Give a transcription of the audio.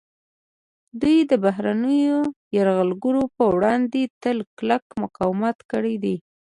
دوی د بهرنیو یرغلګرو پر وړاندې تل کلک مقاومت کړی دی